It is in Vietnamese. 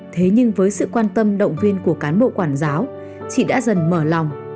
thế nhưng với sự quan tâm động viên của cán bộ quản giáo chị đã dần mở lòng